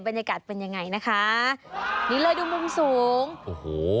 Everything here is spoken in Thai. บรรยากาศเป็นยังไงนะคะนี่เลยดูมุมสูงโอ้โห